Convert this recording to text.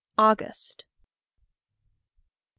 AUGUST. 1.